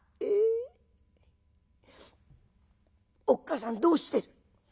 おっかさんどうしてる？」。